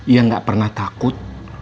yang gak pernah takut